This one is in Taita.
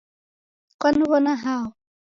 Kwaniw'ona hao?